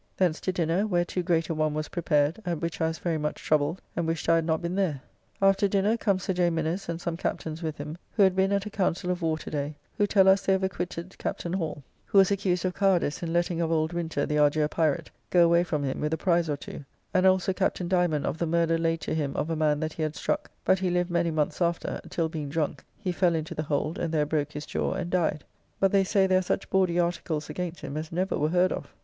Thence to dinner, where too great a one was prepared, at which I was very much troubled, and wished I had not been there. After dinner comes Sir J. Minnes and some captains with him, who had been at a Councill of Warr to day, who tell us they have acquitted Captain Hall, who was accused of cowardice in letting of old Winter, the Argier pyrate, go away from him with a prize or two; and also Captain Diamond of the murder laid to him of a man that he had struck, but he lived many months after, till being drunk, he fell into the hold, and there broke his jaw and died, but they say there are such bawdy articles against him as never were heard of